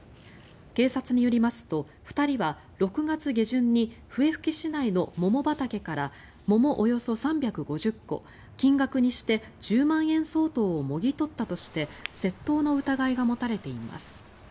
警察によりますと、２人は６月下旬に笛吹市内の桃畑から桃およそ３５０個金額にして１０万円相当をもぎ取ったとして窃盗の疑いが持たれています。